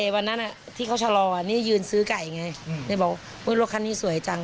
วันนั้นที่เขาชะลอยืนซื้อไก่บอกว่าโรคคันนี้สวยจัง